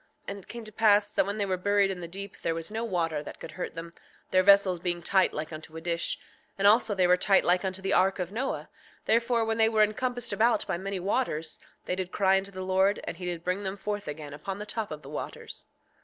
6:7 And it came to pass that when they were buried in the deep there was no water that could hurt them, their vessels being tight like unto a dish, and also they were tight like unto the ark of Noah; therefore when they were encompassed about by many waters they did cry unto the Lord, and he did bring them forth again upon the top of the waters.